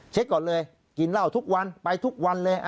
เช็คก่อนเลยกินเหล้าทุกวันไปทุกวันเลย